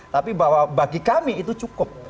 tapi bahwa bagi kami itu cukup